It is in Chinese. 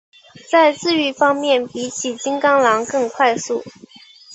在自愈方面比起金钢狼更快速。